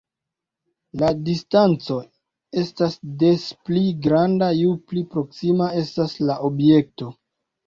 La distanco estas des pli granda ju pli proksima estas la objekto.